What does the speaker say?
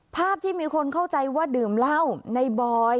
ภาพที่มีคนเข้าใจว่าดื่มเหล้าในบอย